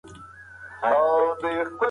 تل خوشحاله اوسئ.